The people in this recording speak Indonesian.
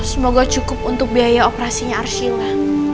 semoga cukup untuk biaya operasinya arshila